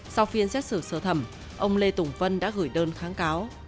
sau phiên xét xử sơ thẩm ông lê tùng vân đã gửi đơn kháng cáo